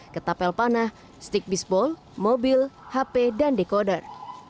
ketapel panah stick bisbol mobil hp dan dekoder